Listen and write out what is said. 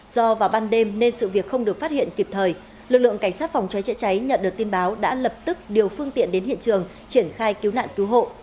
do vào ban đêm nên sự việc không được phát hiện kịp thời lực lượng cảnh sát phòng cháy chữa cháy nhận được tin báo đã lập tức điều phương tiện đến hiện trường triển khai cứu nạn cứu hộ